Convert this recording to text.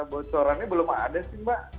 bocorannya belum ada sih mbak